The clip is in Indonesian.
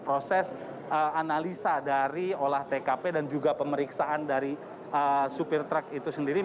proses analisa dari olah tkp dan juga pemeriksaan dari supir truk itu sendiri